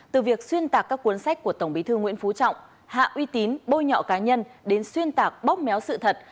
từ việc xuyên tạc các cuốn sách của tổng bí thư nguyễn phú trọng hạ uy tín bôi nhọ cá nhân đến xuyên tạc bóp méo sự thật